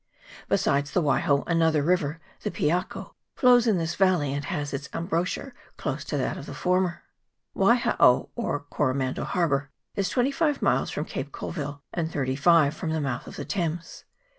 Besides the Waiho, another river, the Piako, flows in this valley, and has its embouchure close to that of the former. Waihao or Coromandel Harbour is twenty five miles from Cape Colville and thirty five from the mouth of the Thames.